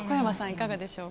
いかがでしょうか。